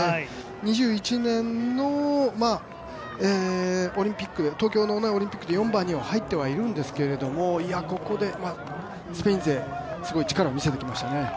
２１年の東京のオリンピックで４番には入っているんですけどここで、スペイン勢、すごい力を見せてきましたね。